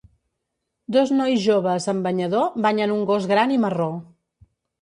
Dos nois joves amb banyador banyen un gos gran i marró.